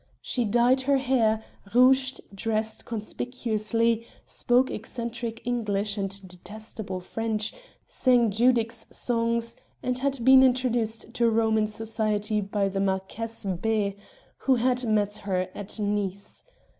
She dyed her hair, rouged, dressed conspicuously, spoke eccentric English and detestable French, sang Judic's songs, and had been introduced to Roman society by the Marchese B who had met her at Nice.